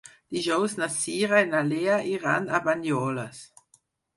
Dijous na Cira i na Lea iran a Banyoles.